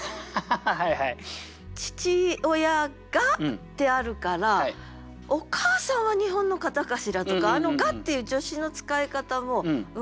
「父親が」ってあるからお母さんは日本の方かしらとかあの「が」っていう助詞の使い方もうまいんだよね。